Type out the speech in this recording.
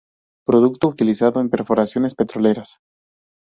Producto utilizado en perforaciones petroleras.